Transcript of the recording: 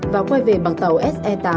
và quay về bằng tàu se tám